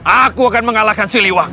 aku akan mengalahkan siliwangi